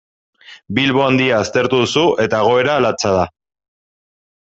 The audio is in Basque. Bilbo Handia aztertu duzu eta egoera latza da.